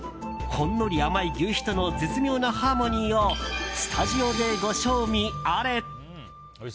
ほんのり甘い求肥との絶妙なハーモニーをスタジオでご賞味あれ！